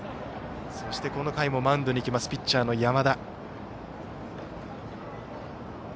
そしてこの回もマウンドに行くピッチャーの山田。